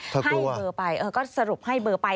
ให้เบอร์ไปก็สรุปให้เบอร์ไป